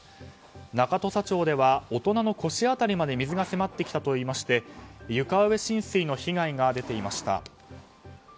中土佐町では大人の腰辺りまで水が迫ってきたといいまして床上浸水の被害が出ていました。